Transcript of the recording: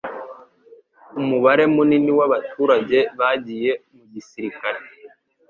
Umubare munini wabaturage bagiye mu gisirikare.